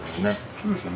そうですね。